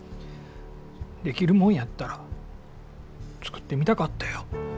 できるもんやったら作ってみたかったよ。